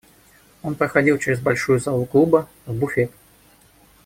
Он проходил чрез большую залу клуба в буфет.